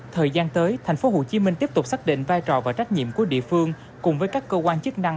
thời gian tới tp hcm tiếp tục xác định vai trò và trách nhiệm của địa phương cùng với các cơ quan chức năng